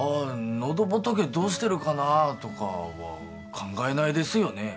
喉仏どうしてるかな？とかは考えないですよね